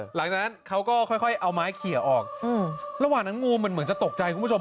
หลังจากนั้นเขาก็ค่อยเอาไม้เขียออกระหว่างนั้นงูมันเหมือนจะตกใจคุณผู้ชม